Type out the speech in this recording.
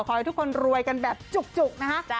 ขอให้ทุกคนรวยกันแบบจุกนะคะ